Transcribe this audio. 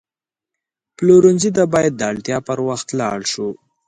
پلورنځي ته باید د اړتیا پر وخت لاړ شو.